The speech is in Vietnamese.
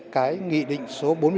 cái nghị định số bốn mươi bốn